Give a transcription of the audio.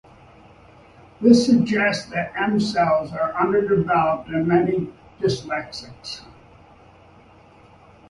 This suggests that M cells are underdeveloped in many dyslexics.